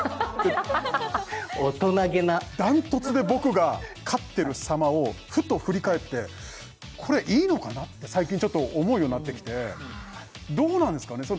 大人気なっ断トツで僕が勝ってるさまをふと振り返ってこれいいのかな？って最近ちょっと思うようになってきてどうなんですかね？